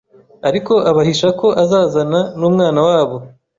ariko abahisha ko azazana n'umwana wabo